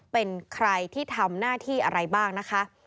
เป็นใครที่ทำหน้าที่อะไรบ้างนะคะ